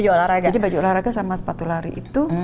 jadi baju olahraga sama sepatu lari itu